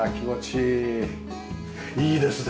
いいですね！